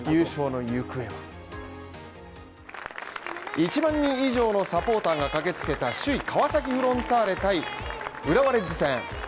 １万人以上のサポーターが駆けつけた首位川崎フロンターレ対浦和レッズ戦。